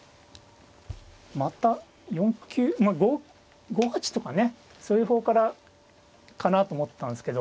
また４九まあ５八とかねそういう方からかなと思ったんですけど。